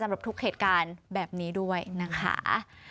สำหรับทุกเหตุการณ์แบบนี้ด้วยนะคะ